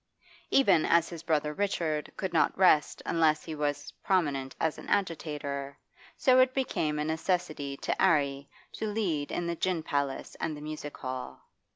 Even as his brother Richard could not rest unless he was prominent as an agitator, so it became a necessity to 'Arry to lead in the gin palace and the music hall.